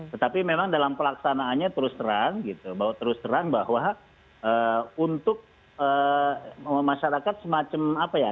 tetapi memang dalam pelaksanaannya terus terang bahwa untuk masyarakat semacam apa ya